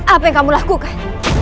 apa yang kamu lakukan